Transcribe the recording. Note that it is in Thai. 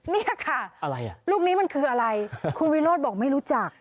นี่ค่ะรูปนี้มันคืออะไรคุณวิโรธบอกไม่รู้จัก